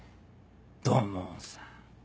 土門さん